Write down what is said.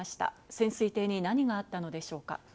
潜水艇に何があったのでしょうか。